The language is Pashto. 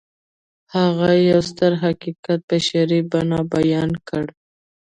هغه يو ستر حقيقت په شعري بڼه بيان کړ.